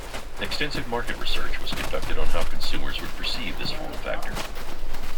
Extensive market research was conducted on how consumers would perceive this form factor.